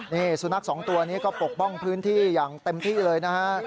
นี่สุนัขสองตัวนี้ก็ปกป้องพื้นที่อย่างเต็มที่เลยนะฮะ